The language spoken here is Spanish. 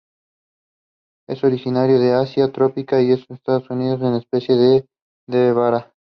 Es originario de Asia tropical y en Estados Unidos una especie "D.barbara".